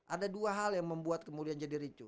ada dua hal yang membuat kemudian jadi ricu